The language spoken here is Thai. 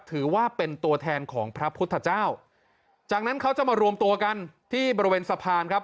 ถือว่าเป็นตัวแทนของพระพุทธเจ้าจากนั้นเขาจะมารวมตัวกันที่บริเวณสะพานครับ